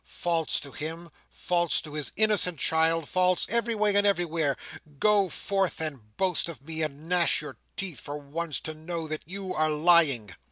False to him, false to his innocent child, false every way and everywhere, go forth and boast of me, and gnash your teeth, for once, to know that you are lying!"